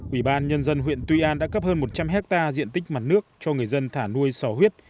ủy ban nhân dân huyện tuy an đã cấp hơn một trăm linh hectare diện tích mặt nước cho người dân thả nuôi sò huyết